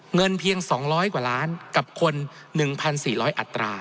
เงินเพียงสองร้อยกว่าล้านกับคนหนึ่งพันสี่ร้อยอัตรา